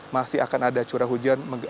masih akan ada curah hujan